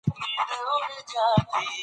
ارمان کاکا په باغ کې د مرغانو اوازونه اورېدل.